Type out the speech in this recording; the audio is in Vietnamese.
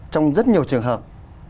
trong rất nhiều trường hợp